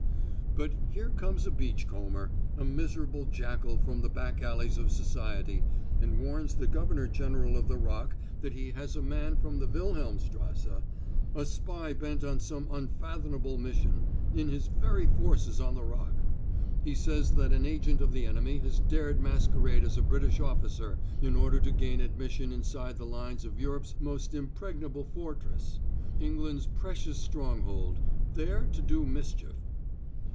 But here comes a beach comber, a miserable jackal from the back alleys of society, and warns the governor general of the Rock that he has a man from the Wilhelmstrasse a spy bent on some unfathomable mission in his very forces on the Rock. He says that an agent of the enemy has dared masquerade as a British officer in order to gain admission inside the lines of Europe's most impregnable fortress, England's precious stronghold, there to do mischief!